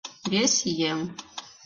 Вес еҥ.